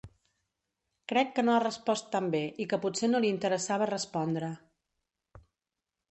Crec que no ha respost tan bé i que potser no li interessava respondre.